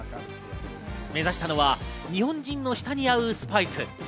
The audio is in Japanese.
目指したのは日本人の舌に合うスパイス。